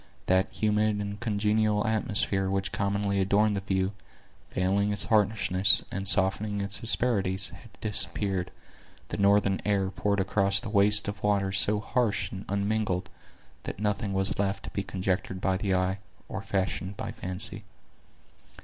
That humid and congenial atmosphere which commonly adorned the view, veiling its harshness, and softening its asperities, had disappeared, the northern air poured across the waste of water so harsh and unmingled, that nothing was left to be conjectured by the eye, or fashioned by the fancy.